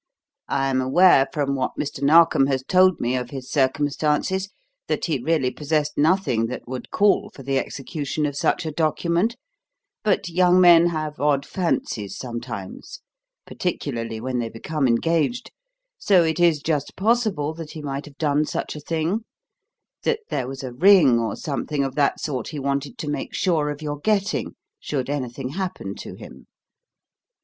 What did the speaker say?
I am aware, from what Mr. Narkom has told me of his circumstances, that he really possessed nothing that would call for the execution of such a document; but young men have odd fancies sometimes particularly when they become engaged so it is just possible that he might have done such a thing; that there was a ring or something of that sort he wanted to make sure of your getting should anything happen to him.